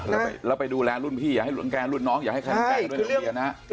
แล้วไปดูแลรุ่นพี่อย่าให้รุ่นแกนรุ่นน้องอย่าให้ใครรุ่นแกนรุ่นโรงเรียนนะครับ